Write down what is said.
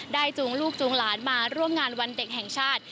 จูงลูกจูงหลานมาร่วมงานวันเด็กแห่งชาติ